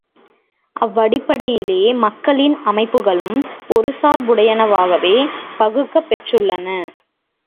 அவ்வடிப்படையிலேயே மக்களின் அமைப்புகளும் ஒருசார்புடையன வாகவே பகுக்கப் பெற்றுள்ளன.